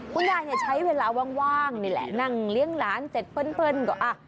คุณยายเนี่ยใช้เวลาว่างนี่แหละนั่งเลี้ยงหลานเสร็จเปิ้ลก็อ่ะ